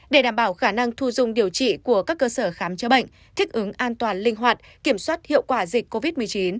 để đảm bảo khả năng thu dung điều trị của các cơ sở khám chữa bệnh thích ứng an toàn linh hoạt kiểm soát hiệu quả dịch covid một mươi chín